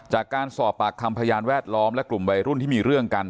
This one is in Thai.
จากการสอบปากคำพยานแวดล้อมและกลุ่มวัยรุ่นที่มีเรื่องกัน